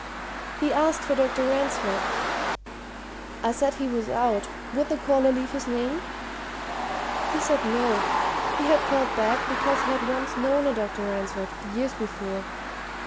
"He asked for Dr. Ransford. I said he was out would the caller leave his name? He said no he had called because he had once known a Dr. Ransford, years before.